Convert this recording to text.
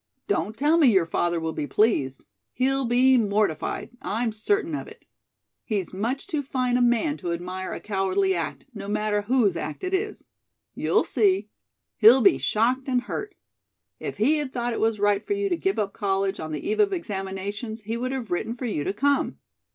Don't tell me your father will be pleased. He'll be mortified, I'm certain of it. He's much too fine a man to admire a cowardly act, no matter whose act it is. You'll see. He'll be shocked and hurt. If he had thought it was right for you to give up college on the eve of examinations, he would have written for you to come.